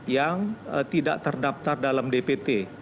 yang tidak terdaftar dalam dpt